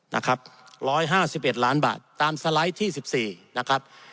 นะครับ๑๕๑ล้านบาทตามสไลด์ที่๑๔นะครับ